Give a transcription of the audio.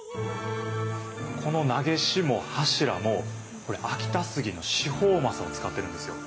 この長押も柱もこれ秋田杉の四方柾を使ってるんですよ。